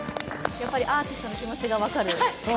やっぱりアーティストの気持ちが分かる。